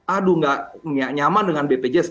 aduh nggak nyaman dengan bpjs